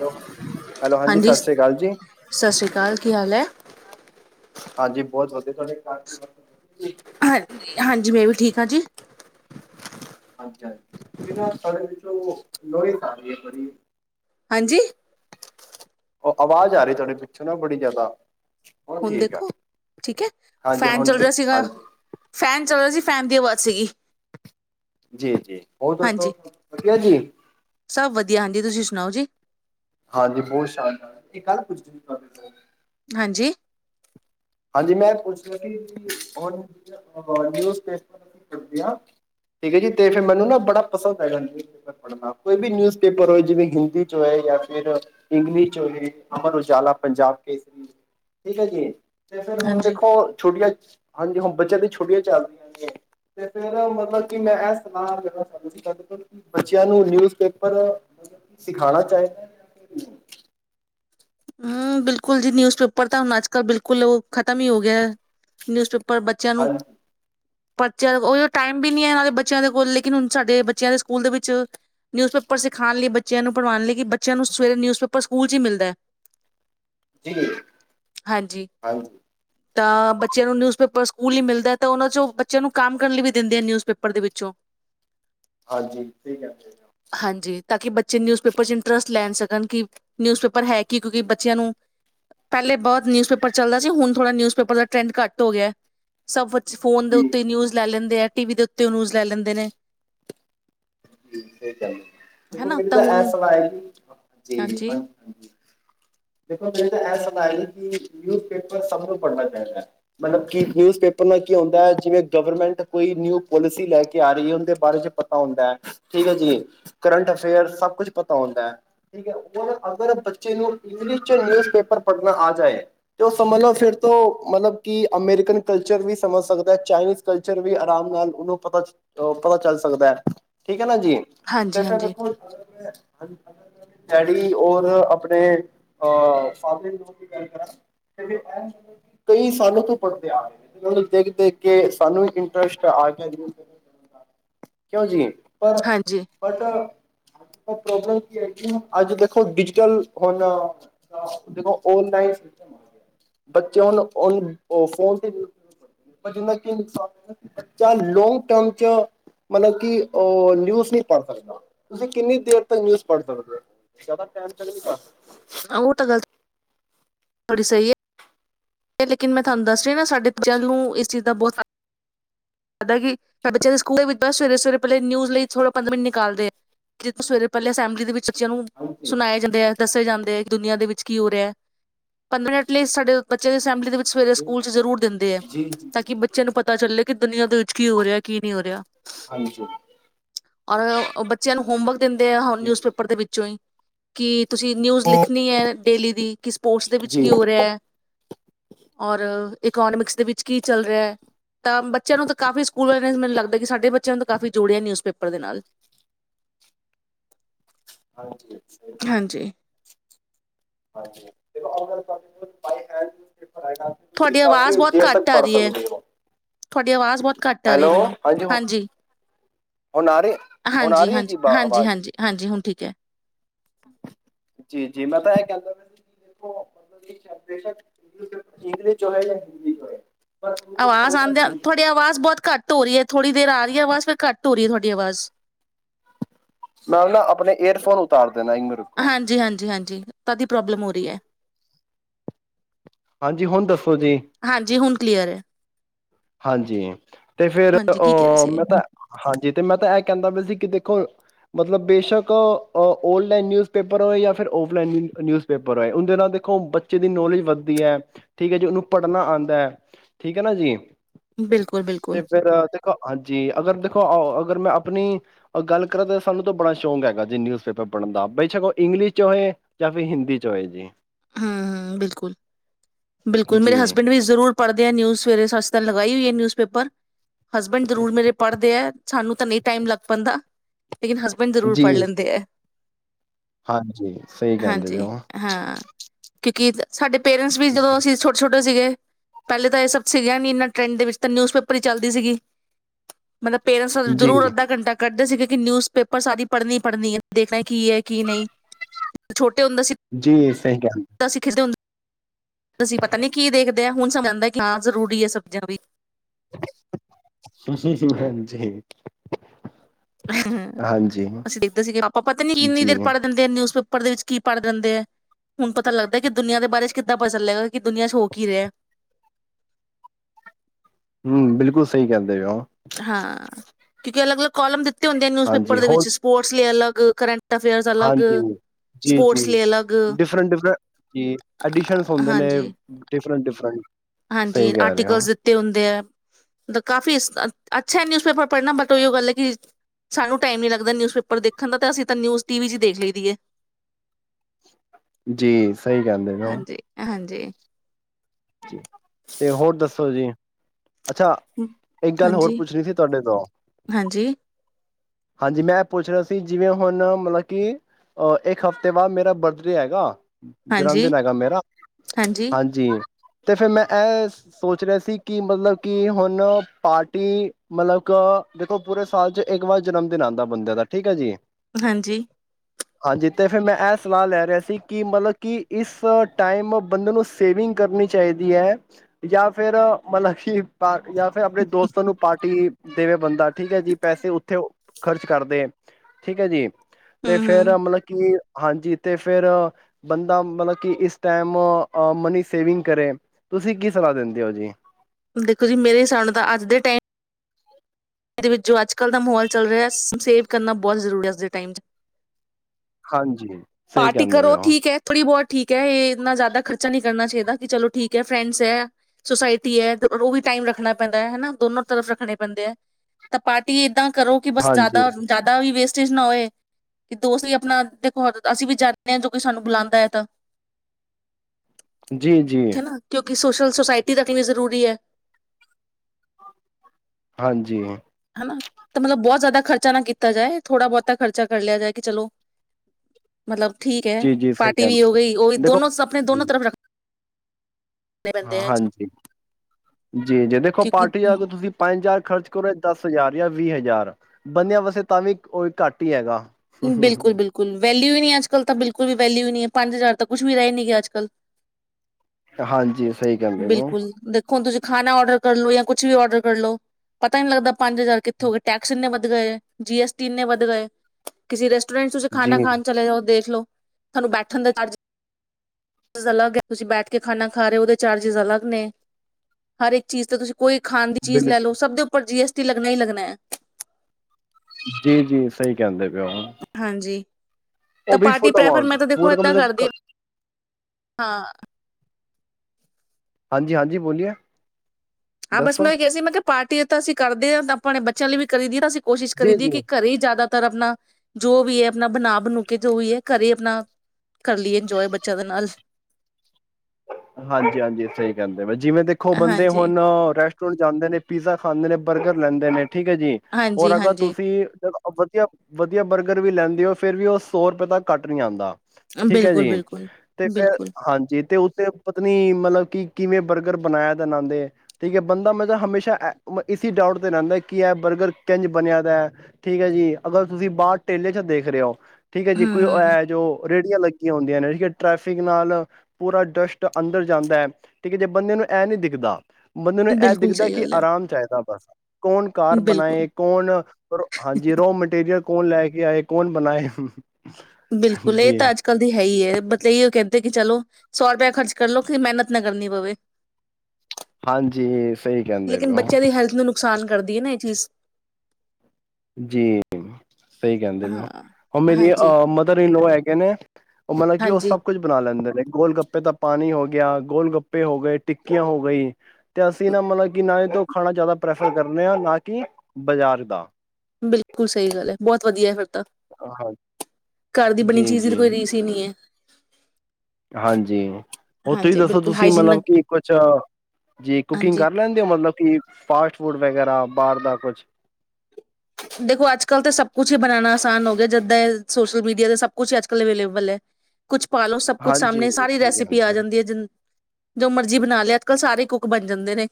ਲੋ hello ਹਾਂਜੀ ਸਤਿ ਸ੍ਰੀ ਅਕਾਲ ਜੀ ਸਤਿ ਸ੍ਰੀ ਅਕਾਲ ਕੀ ਹਾਲ ਹੈ ਹਾਂਜੀ ਬਹੁਤ ਵਧੀਆ ਤੁਹਾਡਾ ਹਾਂ ਹਾਂਜੀ ਮੈਂ ਵੀ ਠੀਕ ਹਾਂ ਜੀ ਹਾਂਜੀ ਹਾਂਜੀ ਨਾ ਸਾਡੇ ਵਿੱਚ ਲੋਹਰੀ ਰਹੀ ਹੈ ਬੜੀ [unintelligible] ਹਾਂਜੀ ਉਹ ਆਵਾਜ਼ ਆ ਰਹੀ ਤੁਹਾਡੇ ਪਿੱਛੋਂ ਨਾ ਬੜੀ ਜ਼ਿਆਦਾ ਹੁਣ ਠੀਕ ਆ ਦੇਖੋ ਠੀਕ ਹੈ ਹਾਂਜੀ ਫੈਨ ਹੁਣ ਚੱਲ ਰਿਹਾ ਠੀਕ ਸੀ ਹਾਂਜੀ ਫੈਨ ਚੱਲ ਰਿਹਾ ਸੀ ਫੈਨ ਦੀ ਆਵਾਜ਼ ਸੀਗੀ ਜੀ ਜੀ ਹੋਰ ਦੱਸੋ ਹਾਂਜੀ ਵਧਿਆ ਜੀ ਸਭ ਵਧੀਆ ਹਾਂਜੀ ਤੁਸੀਂ ਸੁਣਾਓ ਜੀ ਹਾਂਜੀ ਬਹੁਤ ਸ਼ਾਨਦ ਇਹ ਕੱਲ੍ਹ ਪੁੱਜਦੀ ਤੁਹਾਡੇ [unintelligible] ਹਾਂਜੀ ਹਾਂਜੀ ਮੈਂ ਪੁੱਛਦਾ ਹਾਂ ਠੀਕ ਹੈ ਜੀ ਤੇ ਫਿਰ ਮੈਨੂੰ ਨਾ ਬੜਾ ਪਸੰਦ ਹੈ ਪੜਨਾ ਕੋਈ ਵੀ ਨਿਊਜ਼ ਪੇਪਰ ਹੋਏ ਜਿਵੇਂ ਹਿੰਦੀ ਚ ਹੋਏ ਜਾਂ ਫਿਰ ਇੰਗਲਿਸ਼ ਹੋਏ ਅਮਰ ਉਜਾਲਾ ਪੰਜਾਬ ਕੇਸਰੀ ਠੀਕ ਹੈ ਜੀ ਤੇ ਫਿਰ ਹੁਣ ਹਾਂਜੀ ਦੇਖੋ ਛੋਟੀਆਂ ਹਾਂਜੀ ਹੁਣ ਬੱਚਿਆਂ ਦੀਆਂ ਛੁੱਟੀਆਂ ਚੱਲਦੀਆਂ ਨੇ ਤੇ ਫਿਰ ਮਤਲਬ ਕਿ ਮੈਂ ਇਹ ਸਲਾਹ ਦੇਣਾ ਚਾਹੂੰਦਾ ਸੀ ਸਾਡੇ ਬੱਚਿਆਂ ਨੂੰ ਨਿਊਜ਼ਪੇਪਰ ਸਿਖਾਉਣਾ ਚਾਹੀਦਾ ਹਮ ਬਿਲਕੁਲ ਜੀ ਨਿਊਜ਼ ਪੇਪਰ ਤਾਂ ਹੁਣ ਆੱਜ ਕਲ ਬਿਲਕੁਲ ਉਹ ਖਤਮ ਹੀ ਹੋ ਗਿਆ ਹੈ ਨਿਊਜ਼ ਪੇਪਰ ਪਰ ਬੱਚਿਆਂ ਨੂੰ ਹਾਂਜੀ ਪਰਚਿਆਂ ਟਾਈਮ ਵੀ ਨਹੀਂ ਹੈ ਬੱਚਿਆਂ ਦੇ ਕੋਲੇ ਸਾਡੇ ਬੱਚਿਆਂ ਦੇ ਸਕੂਲ ਦੇ ਵਿੱਚ ਨਿਊਜ਼ ਪੇਪਰ ਸਿਖਾਉਣ ਲਈ ਬੱਚਿਆਂ ਨੂੰ ਪੜ੍ਹਾਉਣ ਲਈ ਕਿ ਬੱਚਿਆਂ ਨੂੰ ਸਵੇਰੇ ਨਿਊਜ਼ ਪੇਪਰ ਸਕੂਲ ਚ ਹੀ ਮਿਲਦਾ ਹੈ ਜੀ ਹਾਂਜੀ ਹਾਂਜੀ ਤਾਂ ਬੱਚਿਆਂ ਨੂੰ ਨਿਊਜ਼ਪੇਪਰ ਸਕੂਲ ਹੀ ਮਿਲਦਾ ਤਾਂ ਉਹਨਾਂ ਚੋਂ ਬੱਚਿਆਂ ਨੂੰ ਕੰਮ ਕਰਨ ਲਈ ਵੀ ਦਿੰਦੇ ਆ ਨਿਊਜ਼ਪੇਪਰ ਦੇ ਵਿੱਚੋਂ ਹਾਂਜੀ ਠੀਕ ਹੈ ਹਾਂਜੀ ਤਾਂ ਕਿ ਬੱਚੇ ਨਿਊਜ਼ਪੇਪਰ ਚ ਇੰਟਰਸਟ ਲੈਣ ਸਕਣ ਕਿ ਨਿਊਜ਼ਪੇਪਰ ਹੈ ਕਿ ਕਿਉਂਕਿ ਬੱਚਿਆਂ ਨੂੰ ਪਹਿਲੇ ਬਹੁਤ ਨਿਊਜ਼ਪੇਪਰ ਚੱਲਦਾ ਸੀ ਹੁਣ ਥੋੜ੍ਹਾ ਨਿਊਜ਼ਪੇਪਰ ਦਾ ਟਰੈਂਡ ਘੱਟ ਹੋ ਗਿਆ ਸਭ ਫੋਨ ਦੇ ਜੀ ਉੱਤੇ ਨਿਊਜ਼ ਲੈ ਲੈਂਦੇ ਆ ਟੀ ਵੀ ਦੇ ਉੱਤੇ ਉਹ ਨਿਊਜ਼ ਲੈ ਲੈਂਦੇ ਨੇ ਦੇਖੋ ਹਨਾ ਮੇਰੀ ਤਾਂ ਇਹ ਹੁਣ ਸਵਾਲ ਹੈ ਕਿ ਹਾਂਜੀ ਦੇਖੋ ਮੈਨੂੰ ਤਾਂ ਇਹ ਸਲਾਹ ਜੀ ਕਿ ਨਿਊਜ਼ ਪੇਪਰ ਸਭ ਨੂੰ ਪੜਨਾ ਚਾਹੀਦਾ ਹੈ ਮਤਲਬ ਕਿ ਨਿਊਜ਼ ਪੇਪਰ ਨਾਲ ਕੀ ਹੁੰਦਾ ਹੈ ਜਿਵੇਂ ਗਵਰਮੈਂਟ ਕੋਈ ਨਿਊ ਪੋਲਿਸੀ ਲੈ ਕੇ ਆ ਰਹੀ ਹੈ ਉਹਦੇ ਬਾਰੇ ਚ ਪਤਾ ਹੁੰਦਾ ਹੈ ਠੀਕ ਹੈ ਜੀ ਕਰੰਟ ਅਫੇਅਰ ਸਭ ਕੁਛ ਪਤਾ ਹੁੰਦਾ ਹੈ ਠੀਕ ਹੈ ਅਗਰ ਬੱਚੇ ਨੂੰ ਇੰਗਲਿਸ਼ ਚ ਨਿਊਜ਼ ਪੇਪਰ ਪੜ੍ਹਨਾ ਆ ਜਾਏ ਤੇ ਉਹ ਸਮਝ ਲਓ ਫਿਰ ਤੋਂ ਮਤਲਬ ਕਿ ਅਮੈਰੀਕਨ ਕਲਚਰ ਵੀ ਸਮਝ ਸਕਦਾ ਹੈ ਚਾਈਨੀਜ਼ ਕਲਚਰ ਵੀ ਆਰਾਮ ਨਾਲ ਉਹਨੂੰ ਪਤਾ ਪਤਾ ਚੱਲ ਸਕਦਾ ਹੈ ਠੀਕ ਨਾ ਜੀ ਹਾਂਜੀ ਹਾਂਜੀ ਜੀ ਡੈਡੀ ਔਰ ਆਪਣੇ ਅ ਕਈ ਸਾਲ ਤੋਂ ਪੜ੍ਹਦੇ ਆ ਦੇਖ ਦੇਖ ਕੇ ਸਾਨੂੰ ਇੰਟਰਸਟ ਆਗਿਆ ਜੀ ਪਰ ਹਾਂਜੀ ਫਟ [unintelligible] ਪ੍ਰੋਬਲਮ ਕੀ ਹੈਗੀ ਅੱਜ ਦੇਖੋ ਡਿਜੀਟਲ ਹੁਣ ਦੇਖੋ ਆਨਲਾਈਨ ਬੱਚੇ ਵਲੋ ਜਾਂ ਲੌਂਗ ਟਰਮ ਵਿਚ ਕਿ ਨਿਊਜ਼ ਕਿ ਪੜ੍ਹਦੇ ਨੇ ਕਿੰਨੀ ਦੇਰ ਤੱਕ ਨਿਊਜ਼ ਪੜ੍ਹਦੇ ਨੇ ਊ ਤਾਂ ਗੱਲ ਤੁਹਾਡੀ ਸਹੀ ਤੇ ਲੇਕਿਨ ਮੈਂ ਤੁਹਾਨੂੰ ਦਸ ਰਹੀ ਨਾ ਸਾਡੀ ਸਾ ਜੱਲ ਨੂੰ ਇਸ ਚੀਜ਼ ਦਾ ਬਹੁਤ [unintelligible] ਹੁੰਦਾ ਕਿ ਸਾਡੇ ਬੱਚੇ ਦੇ ਸਕੂਲ ਵਿੱਚ ਬਸ ਸਵੇਰੇ ਸਵੇਰੇ ਪਹਿਲੇ ਨਿਊਜ਼ ਲਈ ਥੋੜਾ ਪੰਜ ਮਿੰਟ ਨਿਕਾਲਦੇ ਆ ਸਵੇਰੇ ਪਹਿਲੇ ਅਸੈਂਬਲੀ ਦੇ ਵਿੱਚ ਬੱਚਿਆਂ ਨੂੰ ਹਾਂਜੀ ਸੁਣਾਏ ਜਾਂਦੇ ਹੈ ਦੱਸੇ ਜਾਂਦੇ ਦੁਨੀਆਂ ਦੇ ਵਿੱਚ ਕੀ ਹੋ ਰਿਹਾ ਪੰਦਰ ਮਿਨਤ ਸਾਡੇ ਬੱਚੇ ਦੀ ਅਸੈਂਬਲੀ ਦੇ ਵਿੱਚ ਸਵੇਰੇ ਜੀ ਸਕੂਲ ਚ ਜ਼ਰੂਰ ਦਿੰਦੇ ਹੈ ਜੀ ਜੀ ਤਾਂ ਕਿ ਬੱਚੇ ਨੂੰ ਪਤਾ ਚੱਲੇ ਕਿ ਦੁਨੀਆਂ ਦੇ ਵਿੱਚ ਕੀ ਹੋ ਰਿਹਾ ਕੀ ਨਹੀਂ ਹੋ ਰਿਹਾ। ਹਾਂਜੀ ਜੀ ਔਰ ਬੱਚਿਆਂ ਨੂੰ ਹੋਮਵਰਕ ਦਿੰਦੇ ਆ ਨਿਊਜ਼ਪੇਪਰ ਦੇ ਵਿੱਚੋਂ ਹੀ। ਕੀ ਤੁਸੀਂ ਨਿਊਜ਼ ਲਿਖਣੀ ਹੈ ਡੇਲੀ ਦੀ ਕਿ ਸਪੋਰਟਸ ਦੇ ਵਿੱਚ ਜੀ ਕੀ ਹੋ ਰਿਹਾ ਹੈ ਔਰ ਇਕੋਨਮਿਕਸ ਦੇ ਵਿੱਚ ਕੀ ਚੱਲ ਰਿਹਾ ਹੈ ਤਾਂ ਬ ਬੱਚਿਆਂ ਨੂੰ ਤਾਂ ਕਾਫੀ ਸਕੂਲ ਵਾਲੇ ਨੇ ਮੈਨੂੰ ਲੱਗਦਾ ਕਿ ਸਾਡੇ ਬੱਚਿਆਂ ਨੂੰ ਤਾਂ ਕਾਫੀ ਜੋੜਿਆ ਨਿਊਜ਼ ਪੇਪਰ ਦੇ ਨਾਲ। ਹਾਂਜੀ ਹਾਂਜੀ ਹਾਂਜੀ [unintelligible] ਤੁਸੀਂ ਤੁਹਾਡੀ ਕਾਫੀ ਆਵਾਜ਼ ਬਹੁਤ ਦੇਰ ਤੱਕ ਘੱਟ ਆ ਪੜ੍ਹ ਰਹੀ ਹੈ, ਸਕਦੇ ਹੋ ਤੁਹਾਡੀ ਆਵਾਜ਼ ਬਹੁਤ ਘੱਟ ਆ ਰਹੀ ਹੈ ਹੈਲੋ ਮੈਨੂੰ ਹਾਂਜੀ ਹੁਣ ਹਾਂਜੀ-ਹਾਂਜੀ, ਆ ਰਹੀ ਹੁਣ ਆ ਰਹੀ ਹੈ ਜੀ ਹਾਂਜੀ-ਹਾਂਜੀ, ਹਾਂਜੀ- ਹਾਂਜੀ ਹੁਣ ਠੀਕ ਆ ਜੀ-ਜੀ ਮੈਂ ਤਾਂ ਇਹ ਕਹਿਦਾ ਦੇਖੋ ਮਤਲਬ ਬੇਸ਼ਕ ਇੰਗਲਿਸ਼ ਜੋ ਹੈ [unintelligible] ਉਹਨੂੰ ਆਵਾਜ਼ ਪੜ੍ਹਨਾ ਆਉਂਦਿਆਂ ਜ਼ਰੂਰ ਤੁਹਾਡੀ ਚਾਹੀਦਾ ਹੈ। ਆਵਾਜ਼ ਬਹੁਤ ਘੱਟ ਘੱਟ ਹੋ ਰਹੀ ਹੈ ਥੋੜ੍ਹੀ ਦੇਰ ਆ ਰਹੀ ਹੈ ਆਵਾਜ਼ ਫੇਰ ਘੱਟ ਹੋ ਰਹੀ ਹੈ ਤੁਹਾਡੀ ਆਵਾਜ਼। ਮੈਂ ਉਹ ਨਾ ਆਪਣੇ ਏਅਰਫੋਨ ਉਤਾਰ ਦੇਣਾ ਇੱਕ ਮਿੰਟ ਰੁਕੋ ਹਾਂਜੀ-ਹਾਂਜੀ ਹਾਂ ਜੀ ਤਦੀ ਪ੍ਰੋਬਲਮ ਹੋ ਰਹੀ ਹੈ। ਹਾਂਜੀ ਹੁਣ ਦੱਸੋ ਜੀ। ਹਾਂਜੀ, ਹੁਣ ਕਲੀਅਰ ਹੈ। ਹਾਂਜੀ ਤੇ ਫੇਰ ਹਾਂਜੀ ਕੀ ਕਹਿ ਰਹੇ ਅਹ ਸੀਗੇ? ਮੈਂ ਤਾਂ ਹਾਂਜੀ ਤੇ ਮੈਂ ਤਾਂ ਕਹਿੰਦਾ ਪਇਆ ਸੀ ਕਿ ਦੇਖੋ ਮਤਲਬ ਬੇਸ਼ਕਹ ਓਡਲਾਈਨ ਨਿਊਜ਼ ਪੇਪਰ ਹੋਏ ਜਾਂ ਫਿਰ ਔਫਲਾਈਨ ਨਿਊਜ਼ ਪੇਪਰ ਹੋਏ ਉਹਦੇ ਨਾਲ ਦੇਖੋ ਬੱਚੇ ਦੀ ਨੌਲੇਜ ਵੱਧਦੀ ਹੈ ਠੀਕ ਹੈ ਜੀ ਉਹਨੂੰ ਪੜ੍ਹਨਾ ਆਉਂਦਾ ਹੈ ਠੀਕ ਹੈ ਨਾ ਜੀ। ਬਿਲਕੁਲ, ਬਿਲਕੁਲ ਤੇ ਫਿਰ ਦੇਖੋ ਹਾਂਜੀ ਅਗਰ ਦੇਖੋ ਅਗਰ ਮੈਂ ਆਪਣੀ ਗੱਲ ਕਰਾਂ ਤਾਂ ਸਾਨੂੰ ਤਾਂ ਬੜਾ ਸ਼ੌਕ ਹੈਗਾ ਜੀ ਨਿਊਜ਼ਪੇਪਰ ਪੜ੍ਹਨ ਦਾ ਬੇਸ਼ੱਕ ਉਹ ਇੰਗਲਿਸ਼ ਚ ਹੋਏ ਜਾਂ ਫਿਰ ਹਿੰਦੀ ਚ ਹੋਏ ਜੀ। ਹਮ-ਹਮ ਬਿਲਕੁਲ-ਬਿਲਕੁਲ ਮੇਰੇ ਜੀ ਹਸਬੈਂਡ ਵੀ ਜ਼ਰੂਰ ਪੜ੍ਹਦੇ ਆ ਨਿਊਜ਼ ਸਵੇਰੇ [unintelligible] ਲਗਾਈ ਹੋਈ ਏ। ਨਿਊਜ਼ ਪੇਪਰ ਹਸਬੈਂਡ ਜ਼ਰੂਰ ਮੇਰੇ ਪੜ੍ਹਦੇ ਹੈ। ਸਾਨੂੰ ਤਾਂ ਨਹੀਂ ਟਾਈਮ ਲੱਗ ਪਾਂਦਾ। ਲੇਕਿਨ ਹਸਬੈਂਡ ਜ਼ਰੂਰ ਜੀ ਪੜ੍ਹ ਲੈਂਦੇ ਆ। ਹਾਂਜੀ ਸਹੀ ਕਹਿੰਦੇ ਵੀ ਉਹ। ਹਾਂ। ਕਿਉਂਕਿ ਸਾਡੇ ਪੇਰਟਸ ਵੀ ਜਦੋਂ ਅਸੀ ਛੋ ਛ ਸੀਗੇ ਪਹਿਲੇ ਤਾਂ ਇਹ ਸਭ ਸੀਗੇ ਨੀ ਇਹਨਾਂ ਟਰੈਂਡ ਦੇ ਵਿੱਚ ਤਾਂ ਨਿਊਜ਼ਪੇਪਰ ਹੀ ਚੱਲਦੀ ਸੀਗੀ। ਮਤਲਬ ਪੇਰੈਂਟਸ, ਜੀ ਜ਼ਰੂਰ ਅੱਧਾ ਘੰਟਾ ਕਢ ਦੇ ਸੀ ਗੇ। ਨਿਊਜ਼ ਪੇਪਰ ਸਾਰੀ ਪੜਨੀ ਹੀ ਪੜ੍ਹਨੀ ਹੈ, ਦੇਖਣਾ ਕੀ ਹੈ, ਕੀ ਨਹੀਂ, ਛੋਟੇ ਹੁੰਦੇ ਸੀ ਜੀ। ਏਈ ਕਿਆ ਸੀ। ਤਾਂ ਅਸੀਂ ਪਤਾ ਨੀ ਕੀ ਦੇਖਦੇ ਆ, ਹੁਣ ਸਮਝ ਆਂਦਾ ਕਿ ਜ਼ਰੂਰੀ ਹੈ, ਸਬਜ਼ੀਆਂ ਵੀ। ਅਸੀਂ ਸਿੰਪ-ਜੀ ਹਮ ਅਸੀਂ ਦੇਖਦੇ ਸੀਗੇ, ਆਪਾ ਪਤਾ ਨੀ ਇੰਨੀ ਜੀ ਦੇਰ ਪੜ੍ ਦਿੰਦੇ, ਨਿਊਜ਼ਪੇਪਰ। ਉਪਰ ਦੇ ਵਿੱਚ ਕੀ ਪੜ੍ਹ ਦੰਦੇ ਆ, ਹੁਣ ਪਤਾ ਲੱਗਦਾ ਕਿ, ਦੁਨੀਆਂ ਦੇ ਬਾਰੇ ਚ ਕਿੱਦਾਂ ਪਤਾ ਚੱਲਿਆਗਾ ਕਿ ਦੁਨੀਆਂ ਚ ਹੋ ਕੀ ਰਿਹਾ। ਹੁੰ। ਬਿਲਕੁਲ, ਸਹੀ ਕਹਿੰਦੇ ਓ। ਹਾਂ, ਕਿਉਂਕਿ ਅਲੱਗ- ਅਲੱਗ ਕੌਲਮ ਦਿੱਤਾ। ਹੁੰਦੇ ਨ, ਨਿਊਜ਼ਪੇਪਰ ਹਾਂਜੀ ਦੇ ਹੋਰ ਵਿੱਚ ਸਪੋਰਟਸ ਲਈ ਅਲਗ, ਗਕਰੈਂਨ ਹਾਂਜੀ। ਜੀ- ਜੀ ਲਈ ਅਲੱਗ ਡਿਫਰਂਟ- ਡਿਫਰ ਜੀ। ਅਲਡੀਸ਼ਨ ਹੁੰਦੇ ਨੇ। ਹਾਂਜੀ ਡਿਫਰਂਟ-ਡਿਫਰੇਂਟ। ਹਾਂਜੀ। ਆਰਟੀਕਲਸ ਦਿੱਤੇ ਹੁੰਦੇ ਏ, ਤੇ ਕਾਫੀ ਅੱਛਾ ਏ। ਨਿਊਜ਼ਪੇਪਰ ਪੜ੍ਹਨਾ ਬਟ, ਏਓ ਗੱਲ ਹੈ, ਕਿ ਸਾਨੂੰ ਟਾਈਮ ਨੀਂ ਲੱਗਦਾ ਨਿਊਜ਼ਪੇਪਰ ਦੇਖਣ ਦਾ, ਤਾਂ ਅਸੀਂ ਤਾਂ ਨਿਊਜ਼ ਟੀ ਵੀ 'ਚ ਈ ਦੇਖ ਲਈ ਦੀ ਹੈ। ਜੀ। ਸਹੀ ਕਹਿੰਦੇ ਪਏ ਔਂ ਹਾਂਜੀ ਹਾਂਜੀ ਤੇ, ਹੋਰ ਦੱਸੋ ਜੀ? ਅੱਛਾ। ਹਮ, ਇੱਕ ਗੱਲ ਹੋਰ ਹਾਂਜੀ ਪੁੱਛਣੀ ਸੀ? ਤੁਹਾਡੇ ਤੋਂ ਹਾਂਜੀ ਹਾਂਜੀ। ਮੈਂ ਪੁੱਛ ਰਿਹਾ ਸੀ ਜਿਵੇਂ ਹੁਣ ਮਤਲਬ ਕਿ, ਅ ਏਕ ਹਫ਼ਤੇ ਬਾਅਦ ਮੇਰਾ ਬਰਥਡੇ ਹੈਗਾ। ਹਾਂਜੀ ਜਨਮਦਿਨ ਹੈਗਾ, ਮੇਰਾ ਹਾਂਜੀ। ਤੇ, ਫਿਰ ਮੈਂ ਐ ਸੋਚ ਰਿਹਾ ਸੀ, ਕਿ ਮਤਲਬ ਕਿ ਹੁਣ ਪਾਰਟੀ ਮਤਲਬ ਕਿ ਦੇਖੋ ਪੂਰੇ ਸਾਲ ਚ, ਇੱਕ ਵਾਰ ਜਨਮਦਿਨ ਆਂਦਾ, ਬੰਦ ਦਾ ਠੀਕ ਹੈ ਜੀ। ਹਾਂਜੀ। ਹਾਂਜੀ ਤੇ, ਫਿਰ ਮੈਂ ਇਹ ਸਵਾਲ ਲੈ ਰਿਹਾ ਸੀ, ਕਿ ਮਤਲਬ ਕਿ ਇਸ ਟਾਈਮ ਬੰਦੇ ਨੂੰ ਸੇਵਿੰਗ ਕਰਨੀ ਚਾਹੀਦੀ ਹੈ ਯਾ ਫਿਰ ਮਤਲਬ ਕਿ, ਪ ਜਾਂ ਫੇਰ ਆਪਣੇ ਦੋਸਤਾਂ ਨੂੰ ਪਾਰਟੀ ਦੇਵੇ ਬੰਦਾ ਠੀਕ ਹੈ ਜੀ, ਪੈਸੇ ਉੱਥੇ ਖ਼ਰਚ ਕਰਦੇ ਠੀਕ ਹੈ ਜੀ। ਤੇ, ਹਮ ਫੇਰ ਹਮ ਮਤਲਬ ਕਿ ਹਾਂਜੀ। ਤੇ, ਫੇਿਰ ਬੰਦਾ ਮਤਲਬ ਕਿ, ਇਸ ਟਾਈਮ ਮਨੀ ਸੇਵਿੰਗ ਕਰੇ ਤੁਸੀਂ ਕੀ ਸਲਾਹ ਦਿੰਦੇ ਹੋ? ਜੀ। ਦੇਖੋ ਜੀ, ਮੇਰੇ ਸਾਬ ਨਾਂ ਤਾਂ ਅੱਜ ਦੇ ਟਾਈਮ ਇਹਦੇ ਵਿੱਚੋ, ਅੱਜ ਨਲ ਦਾ ਮਾਹੌਲ ਚੱਲ ਰਿਹਾ, ਸੇਫ ਕਰਨਾ ਬਹੁਤ ਜ਼ਰੂਰੀ ਐ, ਅਜ ਦੇ ਟਾਈਮ ਚ। ਹਾਂਜੀ ਸਹੀ ਪਾਰਟੀ ਕਹਿੰਦੇ ਪਏ ਕਰੋ ਹੋ ਠੀਕ ਹੈ, ਥੋੜ੍ਹੀ-ਬਹੁਤ ਠੀਕ ਐ। ਇਹ ਇਨਾ ਜ਼ਿਆਦਾ ਖਰਚਾ ਨੀ ਕਰਨਾ ਚਾਹੀਦਾ ਕਿ, ਚਲੋ ਠੀਕ ਐ, ਫਰੈਂਡਸ ਐ, ਸੋਸਾਇਟੀ ਐ, ਉਹ ਵੀ ਟਾਈਮ ਰੱਖਣਾ ਪੈਂਦਾ ਹੈ ਹਨਾ ਦੋਨੋ ਤਰਫ ਰੱਖਣੇ ਪੈਂਦੇ ਐ। ਤ ਪਾਰਟੀ ਏਦਾਂ ਕਰੋ ਕਿ ਬਸ ਹਾਂਜੀ ਜ਼ਿਆਦਾ ਜ਼ਿਆਦਾ ਵੀ ਵੇਸਟ ਚੀਜ਼ ਨਾ ਹੋਏ ਕਿ ਦੋਸਤ ਵੀ ਆਪਣਾ ਦੇਖੋ ਅਸੀਂ ਵੀ ਜਾਂਦੇ ਹਾਂ ਜੋ ਕਿ ਸਾਨੂੰ ਬੁਲਾਉਂਦਾ ਹੈ ਤਾਂ ਜੀ ਜੀ ਕਿ ਸੋਸ਼ਲ ਸੁੋਸਾਇਟੀ ਦਾ ਵੀ ਜ਼ਰੂਰੀ ਹੈ ਹਾਂਜੀ ਹਨਾ ਤਾਂ ਮਤਲਬ ਬਹੁਤ ਜ਼ਿਆਦਾ ਖ਼ਰਚਾ ਨਾ ਕੀਤਾ ਜਾਏ ਥੋੜਾ ਬਹੁਤਾ ਖਰਚਾ ਕਰ ਲਿਆ ਜਾਏ ਕਿ ਚਲੋ ਮਤਲਬ ਠੀਕ ਹੈ ਜੀ ਜੀ ਸਹੀ ਪਾਰਟੀ ਵੀ ਕਹਿੰਦੇ ਹੋ ਪਏ ਗਈ ਉਹ ਦੇਖੋ ਦੋਨੋ ਆਪਣੇ ਦੋਨੋ ਤਰਫ ਰੱਖ ਹਾਂ ਹਾਂਜੀ ਜੀ ਜੀ ਦੇਖੋ ਪਾਰਟੀ ਆ ਕਿਉਂਕਿ ਕੇ ਤੁਸੀਂ ਪੰਜ ਚਾਰ ਖਰਚ ਕਰੋ ਦਸ ਹਜ਼ਾਰ ਜਾਂ ਵੀਹ ਹਜ਼ਾਰ ਬੰਦਿਆਂ ਵਾਸਤੇ ਤਾਂ ਵੀ ਉਹ ਘੱਟ ਹੀ ਹੈਗਾ ਬਿਲਕੁਲ ਬਿਲਕੁਲ ਵੈ ਵੇਲਉ ਹੀ ਨੀ ਅਜ ਕੱਲ ਤਾਂ ਬਿਲਕੁਲ ਵੀ ਵੈਲਿਊ ਹੀ ਹੈ ਪੰਜ ਹਜ਼ਾਰ ਤਾਂ ਕੁੱਛ ਵੀ ਰਹੇ ਨੀ ਗਿਆ ਅੱਜਕਲ ਹਾਂਜੀ ਸਹੀ ਕਹਿੰਦੇ ਓ ਦੇਖੋ ਹੁਣ ਤੁਸੀਂ ਖਾਣਾ ਆਰਡਰ ਕਰਲੋ ਜਾਂ ਕੁੱਛ ਵੀ ਆਰਡਰ ਕਰ ਲੋ ਪਤਾ ਨੀ ਲੱਗਦਾ ਪੰਜ ਹਜ਼ਾਰ ਕਿੱਥੋਂ ਹੋਏ ਟੈਕਸ ਇੰਨੇ ਵਧ ਗਏ ਜੀ ਐਸ ਟੀ ਇੰਨੇ ਵਧ ਗਏ ਕਿਸੀ ਰੈਸਟੂਰੈਂਟ ਚ ਜੀ ਖਾਣਾ ਖਾਣ ਚਲੇ ਜਾਓ ਦੇਖ ਲੋ ਤੁਹਾਨੂੰ ਬੈਠਣ ਦਾ ਚਾਰਜ ਅਲੱਗ ਹੈ ਤੁਸੀਂ ਬੈਠ ਕੇ ਖਾਣਾ ਖਾ ਰਹੇ ਹੋ ਉਹਦੇ ਚਾਰਜਸ ਅਲੱਗ ਨੇ ਹਰ ਇੱਕ ਚੀਜ਼ ਤੇ ਤੁਸੀਂ ਕੋਈ ਖਾਣ ਦੀ ਚੀਜ਼ ਲੈ ਲਓ ਬਿਲਕੁਲ ਸਭ ਉੱਪਰ ਜੀ ਐਸ ਲੱਗਣਾ ਹੀ ਲੱਗਣਾ ਹੈ ਜੀ ਜੀ ਸਹੀ ਕਹਿੰਦੇ ਪਏ ਹੋ ਹਾਂਜੀ ਉਹ ਤਾਂ ਵੀ ਪਾਰਟੀ ਫੁਲ ਪ੍ਰੈਫਰ ਅਮਾਊਂਟ ਮੈਂ ਤਾਂ ਦੇਖੋ ਏਦਾਂ ਕਰਦੀ [unintelligible] ਹਾਂ ਹਾਂਜੀ ਹਾਂਜੀ ਬੋਲੀਏ ਹਾਂ ਬਸ ਦੱਸੋ ਮੈਂ ਕੈਸੀ ਮਤਲਬ ਪਾਰਟੀ ਤਾਂ ਅਸੀਂ ਕਰਦੇ ਹਾਂ ਤਾਂ ਆਪਣੇ ਬੱਚਿਆਂ ਲਈ ਵੀ ਕਰੀ ਦੀ ਅਸੀਂ ਕੋਸ਼ਿਸ਼ ਜੀ ਕਰੀਦੀ ਹੈ ਜੀ ਕਿ ਘਰੇ ਹੀ ਜ਼ਿਆਦਾ ਆਪਣਾ ਜੋ ਵੀ ਹੈ ਆਪਣਾ ਬਣਾ ਬਣੂ ਕੇ ਜੋ ਵੀ ਹੈ ਘਰੇ ਆਪਣਾ ਕਰ ਲਈਏ ਇੰਜੋਏ ਬੱਚਿਆਂ ਦੇ ਨਾਲ ਹਾਂਜੀ ਹਾਂਜੀ ਸਹੀ ਕਹਿੰਦੇ ਜਿਵੇਂ ਦੇਖੋ ਬੰਦੇ ਹਾਂਜੀ ਹੁਣ ਜਾਂਦੇ ਨੇ ਪੀਜ਼ਾ ਖਾਂਦੇ ਨੇ ਬਰਗਰ ਲੈਂਦੇ ਨੇ ਠੀਕ ਹੈ ਜੀ ਹਾਂਜੀ ਔਰ ਅਗਰ ਹਾਂਜੀ ਤੁਸੀਂ ਵਧੀਆ ਵਧੀਆ ਬਰਗਰ ਵੀ ਲੈਂਦੇ ਉਹ ਫਿਰ ਵੀ ਉਹ ਸੌ ਰੁਪਏ ਤੋਂ ਘੱਟ ਨਹੀਂ ਆਉਂਦਾ ਠੀਕ ਹੈ ਬਿਲਕੁਲ ਜੀ ਬਿਲਕੁਲ ਤੇ ਫਿਰ ਬਿਲਕੁਲ ਹਾਂਜੀ ਤੇ ਪਤਨੀ ਮਤਲਬ ਕਿ ਕਿਵੇਂ ਬਰਗਰ ਬਣਾਇਆ ਬਣਾਉਂਦੇ ਠੀਕ ਹੈ ਬੰਦਾ ਮਤਲਵ ਹਮੇਸ਼ਾ ਇਸ ਡਾਊਟ ਤੇ ਰਹਿੰਦਾ ਕਿ ਇਹ ਬਰਗਰ ਕਿੰਝ ਬਣਿਆ ਦਾ ਹੈ ਠੀਕ ਹੈ ਜੀ ਅਗਰ ਤੁਸੀਂ ਬਾਹਰ ਢੇਲੇ ਚ ਦੇਖ ਰਹੇ ਹੋ ਠੀਕ ਹੈ ਜੀ ਹੂੰ ਕੋਈ ਇਹ ਹੂੰ ਜੋ ਰੇਹੜੀਆਂ ਲੱਗ ਕੀ ਹੁੰਦੀਆਂ ਨੇ ਜੀ ਕੇ, ਟ੍ਰੈਫਿਕ ਨਾਲ ਪੂਰਾ ਡਸਟ ਅੰਦਰ ਜਾਂਦਾ ਹੈ, ਠੀਕ ਹੈ, ਜੇ ਬੰਦੇ ਨੂੰ ਐ ਨੀ ਦਿਖਦਾ। ਬੰਦੇ ਨੂੰ ਇਹ ਬਿਲਕੁਲ ਦਿਖਦਾ, ਸਹੀ ਕਿ ਗੱਲ ਹੈ ਆਰਾਮ ਚਾਹੀਦਾ ਬਸ, ਕੌਣ ਕਾਰ ਬਿਲਕੁਲ ਬਣਾਏ ਕੌਣ ਹਾਂਜੀ, ਰੋਮੈਟੀਰੀਅਲ ਕੌਣ ਲੈ ਕੇ ਆਏ, ਕੌਣ ਬਣਾਏ। ਬਿਲਕੁਲ ਇਹ ਜੀ ਤਾਂ ਅੱਜ ਕੱਲ ਦੀ ਹੈ ਹੀ ਹੈ, ਬਟ ਏਇਕ ਹੈ ਕਿ ਚਲੋ ਸੌ ਰੁਪਇਆ ਖਰਚ ਕਰਲਓ, ਫਿਰ ਮੇਹਨਤ ਨਾ ਕਰਨੀ ਪਵੇ। ਹਾਂਜੀ ਸਹੀ ਕਹਿੰਦੇ ਪਏ ਲੇਕਿਨ ਹੋ ਬੱਚਿਆਂ ਦੀ ਹੈਲਥ ਨੂੰ ਨੁਕਸਾਨ ਕਰਦੀ ਹੈ ਨਾ ਇਹ ਚੀਜ਼ ਜੀ ਸਹੀ ਕਹਿੰਦੇ ਪੇ ਔ, ਹਾਂ ਔ ਮੇਰੀ ਹਾਂਜੀ ਅਹਮਤ ਇੱਧਰ ਕੀਨੁ ਹੈਗੇ ਨੇ ਔ ਮਤਲਬ ਕਿ ਉਹ ਹਾਂਜੀ ਸਭ ਕੁਝ ਬਣਾ ਲੈਂਦੇ ਨੇ, ਗੋਲ ਗੱਪੇ ਦਾ ਪਾਣੀ, ਹੋਰ ਆ ਗੋਲ ਗੱਪੇ ਹੋ ਗਏ, ਟਿੱਕੀਆਂ ਹੋ ਗਈ, ਤੇ ਅਸੀਂ ਨਾ ਮਤਲਬ ਕਿ ਇੰਨਾ ਤੋਂ ਖਾਣਾ ਜ਼ਿਆਦਾ ਪ੍ਰੈਫਰ ਕਰਨੇ ਆਂ, ਨਾ ਕੀ ਬਜ਼ਾਰ ਦਾ। ਬਿਲਕੁਲ ਸਹੀ ਗੱਲ ਹੈ। ਬਹੁਤ ਵਧੀਆ ਫਿਰ ਤਾਂ ਆ ਹਾਂ ਘਰ ਦੀ ਬਣੀ ਜੀ ਚੀਜ਼ ਦੀ ਜੀ ਕੋਈ ਰੀਸ ਹੀ ਨਹੀਂ ਹੈ। ਹਾਂਜੀ, ਹੋਰ ਤੁਸੀ ਹਾਂਜੀ ਦੱਸੋ ਬਿਲਕੁਲ ਤੁਸੀਂ ਹਾਈਜੀਨ ਨਾਲ ਮਤਲਬ ਕੀ ਕੁਛ, ਜੀ ਕੁਕਿੰਗ ਹਾਂਜੀ ਕਰ ਲੈਂਦੇ ਹੋ ਮਤਲਬ ਕਿ ਫਾਸਟ ਫੂਫ ਵਗੈਰਾ, ਬਾਹਰ ਦਾ ਕੁਛ। ਦੇਖੋ ਅੱਜ ਕਲ ਤਾਂ ਸਭ ਕੁਛ ਹੀ ਬਣਾਉਣਾ ਆਸਾਨ ਹੋ ਗਿਆ, ਜਦ ਦਾਂ ਐ, ਸੋਸ਼ਲ ਮੀਡੀਆ ਤੇ ਸਭ ਕੁਛ ਹੀ ਅੱਜ ਕਲ ਅਵੇਲੇਬਲ ਹੈ। ਕੁਛ ਪਾਲੋ ਸਭ ਕੁਛ ਹਾਂਜੀ ਸਾਹਮਣੇ ਸਾਰੀ ਸਹੀ ਰੈਸਿਪੀ ਕਹਿੰਦੇ ਆ ਪਏ ਜਾਂਦੀ ਹੈ। ਜੋ ਮਰਜੀ ਬਣਾ ਲਿਆ ਅੱਜ ਕੱਲ ਸਾਰੇ ਕੁਕ ਬਣ ਜਾਂਦੇ ਨੇ।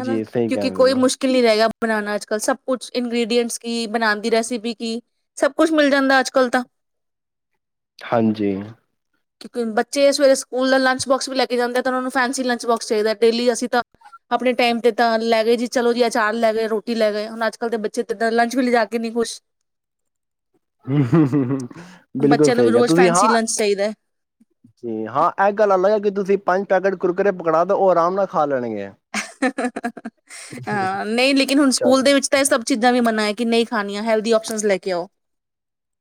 ਹਨਾ। ਸਹੀ ਕਹਿ ਕਿਉਂਕਿ ਰਹੇ ਹੋ, ਕੋਈ ਨਾ। ਮੁਸ਼ਕਿਲ ਨਹੀਂ ਰਹਿ ਗਿਆ ਬਣਾਉਣਾ ਅੱਜ ਕੱਲ ਸਭ ਕੁਛ ਇੰਗ੍ਰਡੀਐਂਟਸ ਕੀ, ਬਣਾਉ ਦੀ ਰੈਸਿਪੀ ਕੀ, ਸਭ ਕੁਛ ਮਿਲ ਜਾਂਦਾ ਅੱਜ ਕੱਲ ਤਾਂ। ਹਾਂਜੀ। ਬੱਚੇ ਸਵੇਰੇ ਸਕੂਲ ਦਾ ਲੰਚ ਬੋਕਸ ਵੀ ਲੈ ਕੇ ਜਾਂਦੇ, ਤੇ ਉਨਾਨੂੰ ਫੈਸੀ ਲੰਚ ਬੋਕਸ ਚਾਹੀਦਾ ਡੇਲੀ, ਅਸੀਂ ਤਾਂ ਆਪਣੇ ਟਾਈਮ ਤੇ ਤਾਂ ਲੈ ਗਏ ਜੀ, ਚਲੋ ਜੀ ਅਚਾਰ ਲੈ ਗਏ। ਰੋਟੀ ਲੈ ਗਏ। ਹੁਣ ਅੱਜ ਕੱਲ੍ਹ ਦੇ ਬੱਚੇ ਤੇ ਇਦਾਂ ਲੰਚ ਵੀ ਲੈ ਜਾ ਕੇ ਨੀ ਖੁਸ਼। ਬਿਲਕੁਲ ਬੱਚਿਆਂ ਨੂੰ ਵੀ ਸਹੀ ਹੈ, ਰੋਜ਼ ਤੁਸੀਂ ਹਾਂ, ਫੈਂਸੀ ਲੰਚ ਚਾਹੀਦਾ ਜੀ ਹਾਂ, ਇਹ ਗੱਲ ਅਲਗ ਹੈ, ਕਿ ਤੁਸੀ ਪੰਜ ਪੈਕੇਟ ਕੁਰਕੁਰੇ ਪਕੜਾ ਦੋ, ਔ ਆਰਾਮ ਨਾਲ ਖਾ ਲੈਣਗੇ, ਪਰ ਹਾ, ਨਹੀਂ ਲੇਕਿਨ ਹੁਣ ਸਕੂਲ ਦੇ ਵਿੱਚ ਤਾਂ ਇਹ ਸਭ ਚੀਜ਼ਾਂ ਵੀ ਮੰਨਾ ਹੈ। ਕੀ ਨਹੀ ਖਾਣੀਆਂ, ਹੈਲਦੀ ਔਪਸ਼ਨਸ ਲੈ ਕੇ ਆਓ।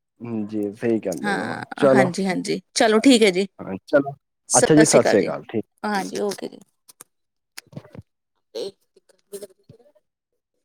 ਚਲੋ ਜੀ ਸਹੀ ਕਹਿੰਦੇ ਹੋ ਹਾਂ ਚਲੋ ਹਾਂਜੀ। ਹਾਂਜੀ। ਚਲੋ ਠੀਕ ਹੈ ਜੀ, ਸਤਿ ਸ੍ਰੀ ਅਕਾਲ ਜੀ, ਹਾਂਜੀ। ਔਕੇ ਜੀ। [unintelligible]